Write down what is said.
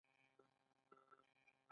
په داسې حال کې چې حقیقت داسې نه دی.